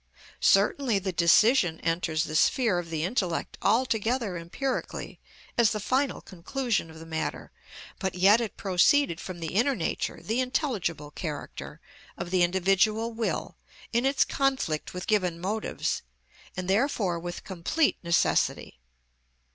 Certainly the decision enters the sphere of the intellect altogether empirically, as the final conclusion of the matter; but yet it proceeded from the inner nature, the intelligible character, of the individual will in its conflict with given motives, and therefore with complete necessity.